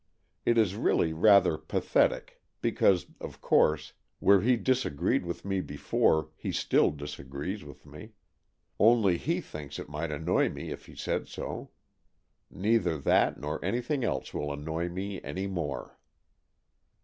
It is really rather pathetic, because, of course, where he disagreed with me before he still disagrees with me. Only he thinks it might annoy me if he said so. Neither that nor anything else will annoy me any more.